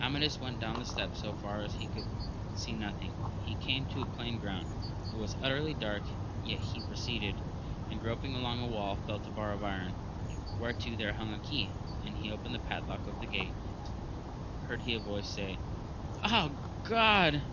Amadis went down the steps so far that he could see nothing; he came to a plain ground, it was utterly dark, yet he proceeded, and groping along a wall felt a bar of iron, whereto there hung a key, and he opened the padlock of the grate ; then heard he a voice, say ing, Ah, God